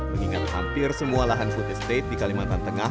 mengingat hampir semua lahan food estate di kalimantan tengah